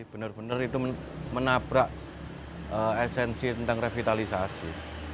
benar benar itu menabrak esensi tentang revitalisasi